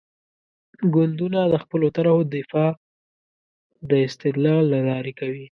ګوندونه د خپلو طرحو دفاع د استدلال له لارې کوي.